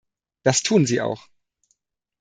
Das tun sie auch.